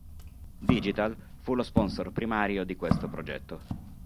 Digital fu lo sponsor primario di questo progetto.